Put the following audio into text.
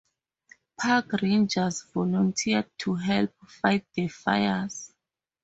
Park rangers volunteered to help fight the fires.